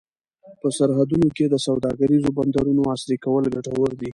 په سرحدونو کې د سوداګریزو بندرونو عصري کول ګټور دي.